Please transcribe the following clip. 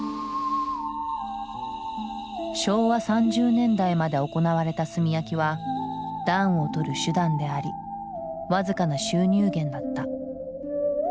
昭和３０年代まで行われた炭焼きは暖をとる手段であり僅かな収入源だった。